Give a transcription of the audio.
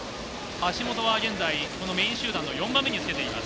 橋本は現在、このメイン集団の４番目につけています。